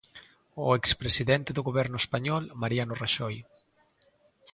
O ex presidente do Goberno español, Mariano Raxoi.